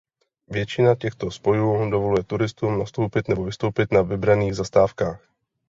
Většina těchto spojů dovoluje turistům nastoupit nebo vystoupit na vybraných zastávkách.